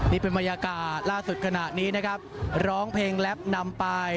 นี่เป็นบรรยากาศล่าสุดขณะนี้นะครับร้องเพลงแล็บนำไป